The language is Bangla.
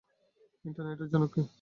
ইন্টারনেটের জনক কে?